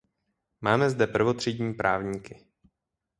Máme zde prvotřídní právníky.